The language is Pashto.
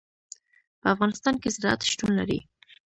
په افغانستان کې زراعت شتون لري.